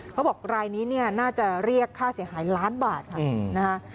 เขาบอกรายนี้น่าจะเรียกค่าเสียหายล้านบาทครับ